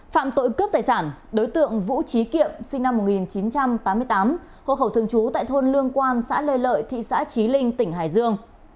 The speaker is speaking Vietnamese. phạm tội cướp tài sản đối tượng vũ trí kiệm sinh năm một nghìn chín trăm tám mươi tám hộ khẩu thường trú tại thôn lương quan xã lê lợi thị xã trí linh tỉnh hải dương